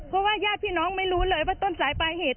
เพราะว่าญาติพี่น้องไม่รู้เลยว่าต้นสายปลายเหตุ